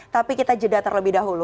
tapi kita jeda terlebih dahulu